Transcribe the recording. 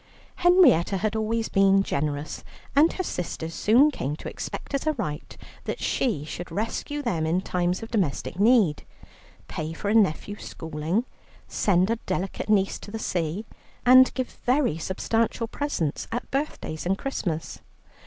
Henrietta had always been generous, and her sisters soon came to expect as a right that she should rescue them in times of domestic need: pay for a nephew's schooling, send a delicate niece to the sea, and give very substantial presents at birthdays and Christmas.